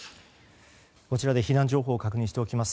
こちらで避難情報を確認しておきます。